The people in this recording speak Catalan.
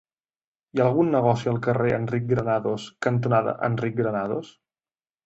Hi ha algun negoci al carrer Enric Granados cantonada Enric Granados?